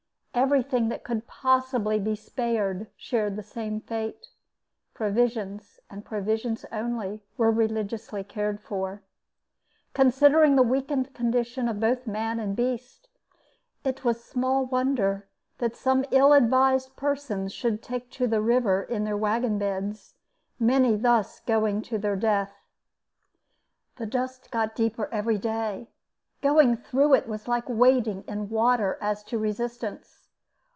Everything that could possibly be spared shared the same fate. Provisions, and provisions only, were religiously cared for. Considering the weakened condition of both man and beast, it was small wonder that some ill advised persons should take to the river in their wagon beds, many thus going to their death. [Illustration: Benj. A. Gifford The cataract of the Columbia.] The dust got deeper every day. Going through it was like wading in water as to resistance.